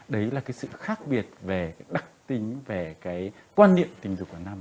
đấy là cái sự khác biệt về đặc tính về cái quan điểm tình dục của nam và nữ